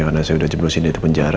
karena saya udah jepul sini ke penjara